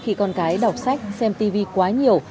khi con cái đọc sách xem tivi quá nhiều